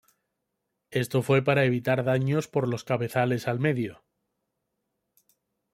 Esto fue para evitar daños por los cabezales al medio.